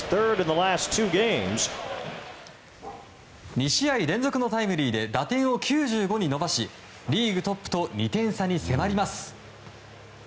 ２試合連続のタイムリーで打点を９５に伸ばしリーグトップと２点差に迫ります。